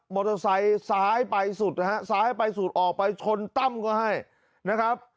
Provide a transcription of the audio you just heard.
มอเตอร์ไซสายไปสุดนะฮะสายไปสุดออกไปชนตั้มเขาให้นะครับ